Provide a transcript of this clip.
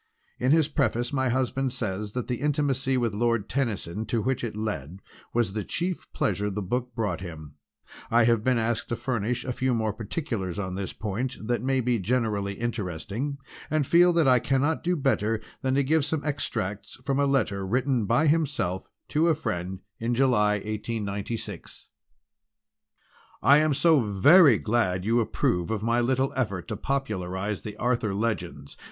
In his preface my husband says that the intimacy with Lord Tennyson to which it led was the chief pleasure the book brought him. I have been asked to furnish a few more particulars on this point that may be generally interesting, and feel that I cannot do better than give some extracts from a letter written by himself to a friend in July 1896. "DEAR , "I am so very glad you approve of my little effort to popularise the Arthur Legends.